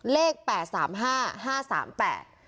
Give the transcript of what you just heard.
แปดสามห้าห้าสามแปด